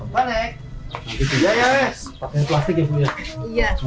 pakai plastik ya bu